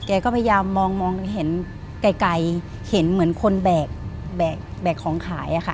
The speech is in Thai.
แกก็พยายามมองเห็นไกลเห็นเหมือนคนแบกของขายอะค่ะ